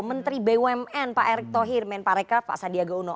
menteri bumn pak erick thohir menpareka pak sandiaga uno